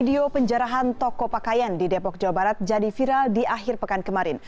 video penjarahan toko pakaian di depok jawa barat jadi viral di akhir pekan kemarin